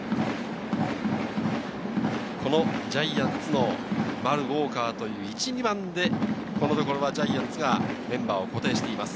ジャイアンツの丸、ウォーカーという１、２番でこのところジャイアンツがメンバーを固定しています。